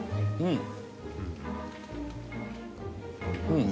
うん。